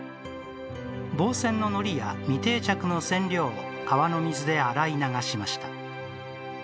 防染の糊や未定着の染料を川の水で洗い流しました。